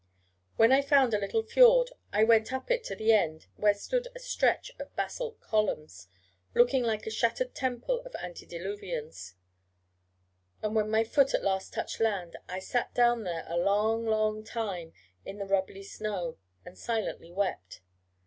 When I found a little fjord, I went up it to the end where stood a stretch of basalt columns, looking like a shattered temple of Antediluvians; and when my foot at last touched land, I sat down there a long, long time in the rubbly snow, and silently wept.